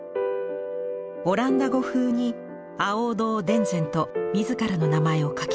オランダ語風に亜欧堂田善と自らの名前を書き込んでいます。